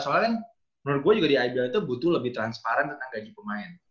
soalnya kan menurut gue juga di ibl itu butuh lebih transparan tentang gaji pemain